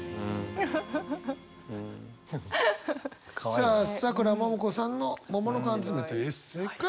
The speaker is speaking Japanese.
さあさくらももこさんの「もものかんづめ」というエッセーから。